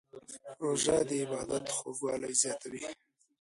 روژه د عبادت خوږوالی زیاتوي.